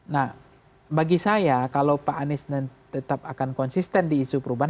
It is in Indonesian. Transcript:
nah bagi saya kalau pak anies tetap akan konsisten di isu perubahan